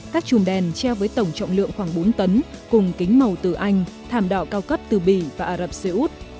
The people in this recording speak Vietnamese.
các chùm đèn treo với tổng trọng lượng khoảng bốn tấn cùng kính màu từ anh thảm đỏ cao cấp từ bỉ và ả rập xê út